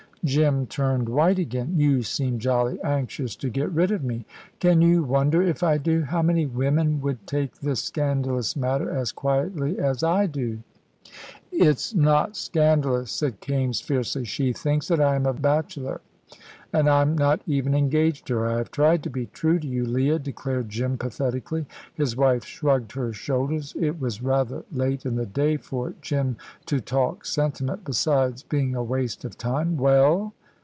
Jim turned white again. "You seem jolly anxious to get rid of me." "Can you wonder if I do? How many women would take this scandalous matter as quietly as I do?" "It's not scandalous," said Kaimes, fiercely. "She thinks that I am a bachelor, and I'm not even engaged to her. I have tried to be true to you, Leah," declared Jim, pathetically. His wife shrugged her shoulders. It was rather late in the day for Jim to talk sentiment, besides being a waste of time. "Well?"